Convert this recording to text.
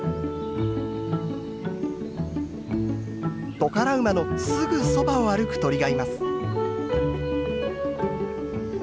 トカラ馬のすぐそばを歩く鳥がいます。